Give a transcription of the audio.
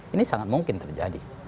ini sangat mungkin terjadi